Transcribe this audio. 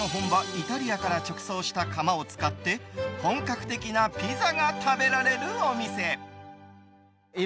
イタリアから直送した窯を使って本格的なピザが食べられるお店。